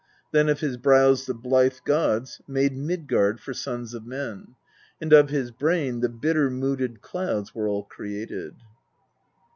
Then of his brows the blithe gods made Midgard for sons of men; And of his brain the bitter mooded Clouds were all created."